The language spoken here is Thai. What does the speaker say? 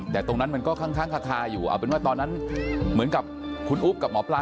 แต่ตรงนั้นมันก็ค้างคาอยู่เอาเป็นว่าตอนนั้นเหมือนกับคุณอุ๊บกับหมอปลา